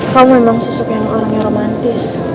kamu memang sesuka dengan orang yang romantis